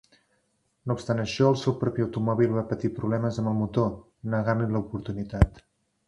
No obstant això, el seu propi automòbil va patir problemes amb el motor, negant-li l'oportunitat.